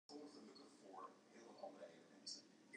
De fiif bindelieders rûnen tsjin 'e lampe oan.